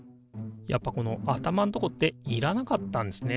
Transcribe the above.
やっぱこの頭んとこっていらなかったんですね。